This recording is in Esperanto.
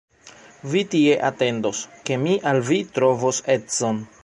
Vi tie atendos, ke mi al vi trovos edzon.